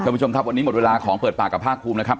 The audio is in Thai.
คุณผู้ชมครับวันนี้หมดเวลาของเปิดปากกับภาคภูมินะครับ